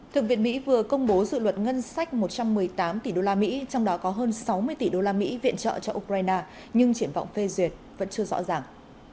thượng viện mỹ vừa công bố dự luật ngân sách một trăm một mươi tám tỷ usd trong đó có hơn sáu mươi tỷ đô la mỹ viện trợ cho ukraine nhưng triển vọng phê duyệt vẫn chưa rõ ràng